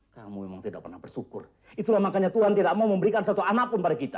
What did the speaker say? kamu memang tidak pernah bersyukur itulah makanya tuhan tidak mau memberikan satu apapun pada kita